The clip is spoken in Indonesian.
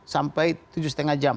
sampai tujuh setengah jam